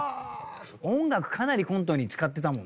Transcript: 音楽かなりコントに使ってたもんね。